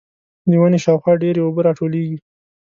د ونې شاوخوا ډېرې اوبه راټولېږي.